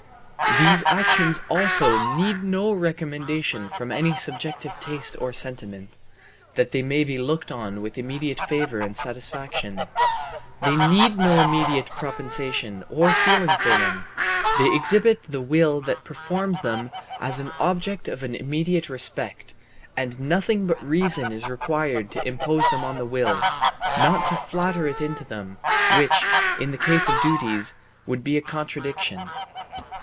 These actions also need no recommendation from any subjective taste or sentiment, that they may be looked on with immediate favour and satisfaction: they need no immediate propension or feeling for them; they exhibit the will that performs them as an object of an immediate respect, and nothing but reason is required to impose them on the will; not to flatter it into them, which, in the case of duties, would be a contradiction.